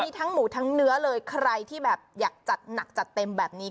มีทั้งหมูทั้งเนื้อเลยใครที่แบบอยากจัดหนักจัดเต็มแบบนี้